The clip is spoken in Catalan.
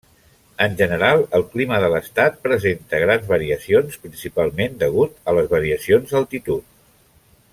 En general, el clima de l'estat presenta grans variacions, principalment degut a les variacions d'altitud.